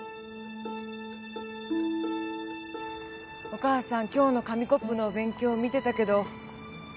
お母さん今日の紙コップのお勉強見てたけど。